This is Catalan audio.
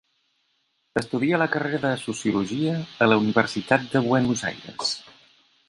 Estudia la carrera de Sociologia en la Universitat de Buenos Aires.